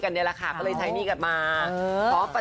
อะไรที่ไม่มีหนี้ก็คือไม่เคยให้